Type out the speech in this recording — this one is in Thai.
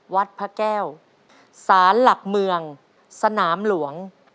วัดพระแก้วสารหลักเมืองสนามหลวง